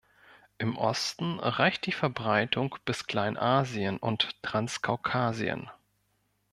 Im Osten reicht die Verbreitung bis Kleinasien und Transkaukasien.